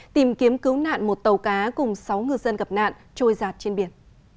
tìm kiếm cứu nạn một tàu cá cùng sáu ngư dân gặp nạn trôi giạt trên biển